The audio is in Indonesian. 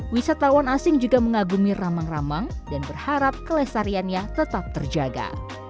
wisatawan asing juga mengagumi ramang ramang dan berharap kelestariannya tetap terjaga